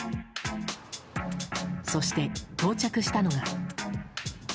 そして、到着したのが。